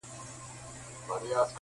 د محبت کچکول په غاړه وړم د ميني تر ښار ,